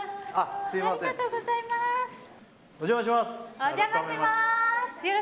お邪魔します。